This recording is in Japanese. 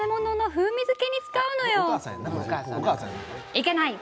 いけない！